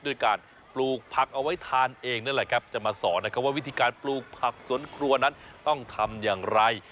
ด้วยการปลูกผักเอาไว้ทานเองนั่นแหละครับจะมาสอนนะครับว่าวิธีการปลูกผักสวนครัวนั้นต้องทำอย่างไร